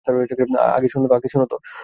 আগে শোন তো?